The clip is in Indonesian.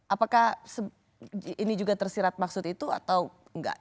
apakah ini juga tersirat maksud itu atau enggak